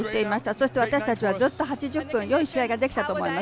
そして私たちはずっと８０分よい試合ができたと思います。